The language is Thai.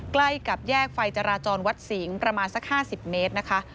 ใกล้กับแยกไฟจราจรวัดสิงห์ประมาณสัก๕๐เมตรนะคะ